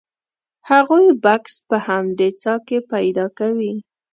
هغوی بکس په همدې څاه کې پیدا کوي.